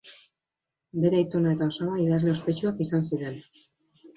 Bere aitona eta osaba idazle ospetsuak izan ziren.